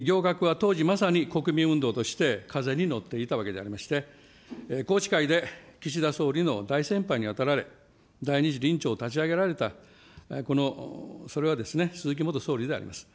行革は当時、まさに国民運動として風に乗っていたわけでありまして、宏池会で岸田総理の大先輩に当たられ、第２次臨調を立ち上げられたこの、それはですね、鈴木元総理であります。